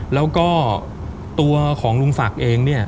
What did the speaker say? แล้วก็ตัวของลุงศักดิ์เองเนี่ย